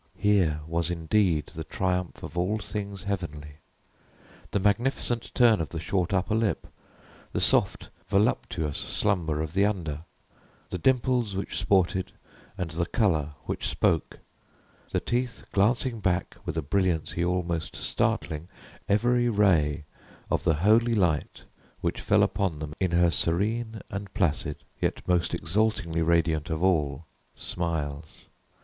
Here was indeed the triumph of all things heavenly the magnificent turn of the short upper lip the soft, voluptuous slumber of the under the dimples which sported, and the color which spoke the teeth glancing back, with a brilliancy almost startling, every ray of the holy light which fell upon them in her serene and placid yet most exultingly radiant of all smiles.